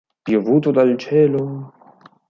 Piovuto dal cielo